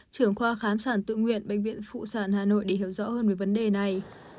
trưởng khoa khám sản tự nguyện bệnh viện phụ sản hà nội để hiểu rõ hơn về vấn đề này